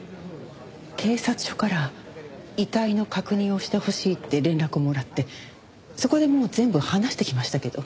警察署から遺体の確認をしてほしいって連絡もらってそこでもう全部話してきましたけど。